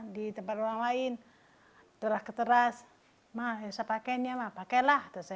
di tempat orang lain teras teras mah saya pakai ini mah pakai lah itu saya